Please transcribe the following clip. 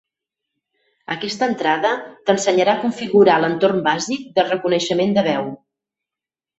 Aquesta entrada t'ensenyarà a configurar l'entorn bàsic de reconeixement de veu.